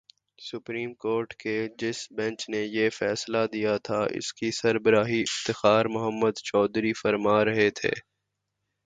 Supreme court کے جس bench نے یہ فیصلہ دیا تھا، اس کی سربراہی افتخار محمد چودھری فرما رہے تھے۔